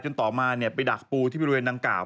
ต่อมาไปดักปูที่บริเวณดังกล่าว